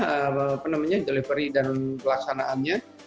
apa namanya delivery dan pelaksanaannya